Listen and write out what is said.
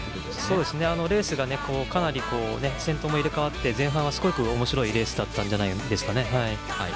レースがかなり先頭も入れ替わって前半はおもしろいレースだったんじゃないかと思います。